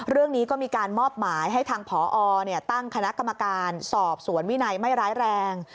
เรื่องนี้ก็มีการมอบหมายให้ทางผอตั้งคณะกรรมการสอบสวนวินัยไม่ร้ายแรง